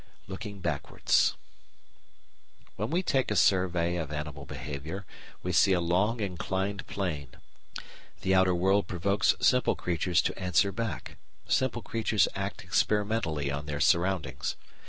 § 9 Looking Backwards When we take a survey of animal behaviour we see a long inclined plane. The outer world provokes simple creatures to answer back; simple creatures act experimentally on their surroundings.